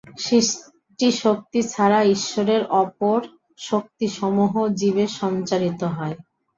সৃষ্টিশক্তি ছাড়া ঈশ্বরের অপর শক্তিসমূহ জীবে সঞ্চারিত হয়।